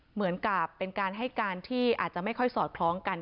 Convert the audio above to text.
เหมือนกับเป็นการให้การที่อาจจะไม่ค่อยสอดคล้องกัน